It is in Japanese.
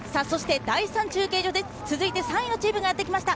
第３中継所、続いて３位のチームがやってきました。